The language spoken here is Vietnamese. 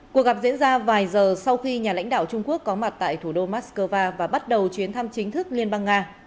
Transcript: cuộc gặp diễn ra vài giờ sau khi nhà lãnh đạo trung quốc có mặt tại thủ đô moscow và bắt đầu chuyến thăm chính thức liên bang nga